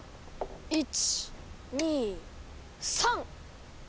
１・２・３！